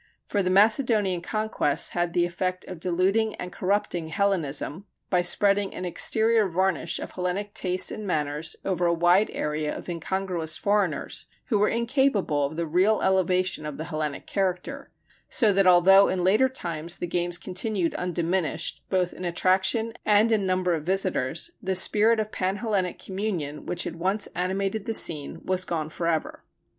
For the Macedonian conquests had the effect of diluting and corrupting Hellenism, by spreading an exterior varnish of Hellenic tastes and manners over a wide area of incongruous foreigners who were incapable of the real elevation of the Hellenic character; so that although in later times the games continued undiminished both in attraction and in number of visitors, the spirit of pan Hellenic communion which had once animated the scene was gone forever.